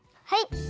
はい。